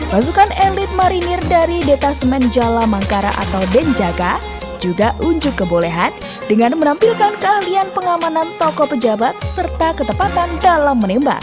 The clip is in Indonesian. pasukan elit marinir dari detasemen jala mangkara atau denjaga juga unjuk kebolehan dengan menampilkan keahlian pengamanan toko pejabat serta ketepatan dalam menembak